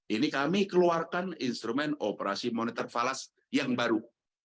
ini kami keluarkan instrumen operasi moneter falas yang baru